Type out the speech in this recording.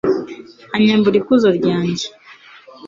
anyambura ikuzo ryanjye